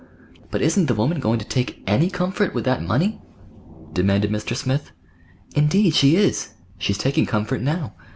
"But isn't the woman going to take any comfort with that money?" demanded Mr. Smith. "Indeed, she is! She's taking comfort now.